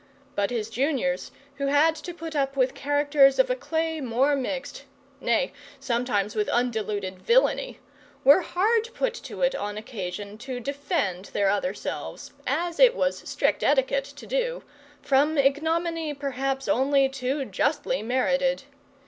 But his juniors, who had to put up with characters of a clay more mixed nay, sometimes with undiluted villainy were hard put to it on occasion to defend their other selves (as it was strict etiquette to do) from ignominy perhaps only too justly merited.